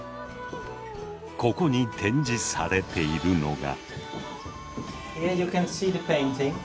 ここに展示されているのが。